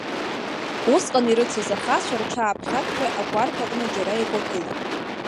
Усҟан ирыцыз ахацәа рҽааԥхьакшәа агәарԥ аҟны џьара еикәагылоуп.